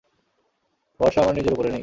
ভরসা আমার নিজের উপরে নেই।